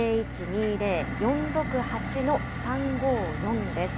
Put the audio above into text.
０１２０ー４６８ー３５４です。